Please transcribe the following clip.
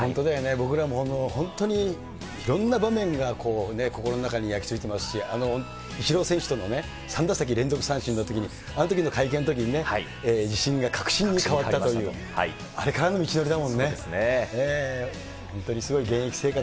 僕らも本当にいろんな場面が心の中に焼きついてますし、あのイチロー選手との３打席連続三振のときに、あのときの会見のときに、自信が確信に変わったという、あれからの道のりだもんね。